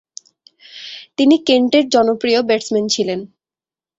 তিনি কেন্টের জনপ্রিয় ব্যাটসম্যান ছিলেন।